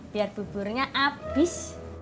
biar buburnya abis